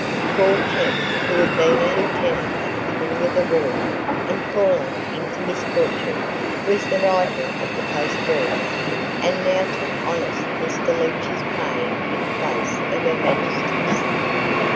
Poor Kemp, who had been a lieutenant at the beginning of the war, and fallen into misfortune, was the writer of the Post Boy, and now took honest Mr. Leach's pay in place of her Majesty's.